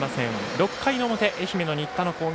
６回の表、愛媛の新田の攻撃。